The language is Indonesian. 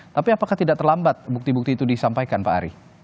tapi apakah tidak terlambat bukti bukti itu disampaikan pak ari